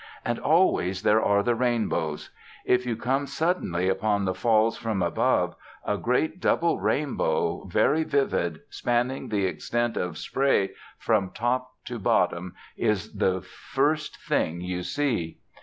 And always there are the rainbows. If you come suddenly upon the Falls from above, a great double rainbow, very vivid, spanning the extent of spray from top to bottom, is the first thing you see.